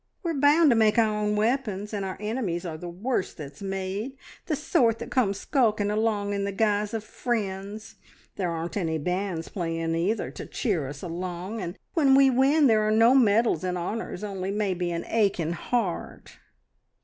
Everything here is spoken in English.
We're bound to make our own weapons, and our enemies are the worst that's made the sort that comes skulking along in the guise of friends. There aren't any bands playing, either, to cheer us along, and when we win there are no medals and honours, only maybe an aching heart!"